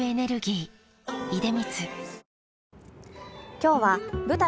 今日は舞台